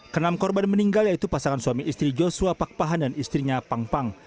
kenam korban meninggal yaitu pasangan suami istri joshua pakpahan dan istrinya pangpang